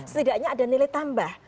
setidaknya ada nilai tambah